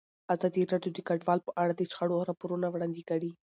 ازادي راډیو د کډوال په اړه د شخړو راپورونه وړاندې کړي.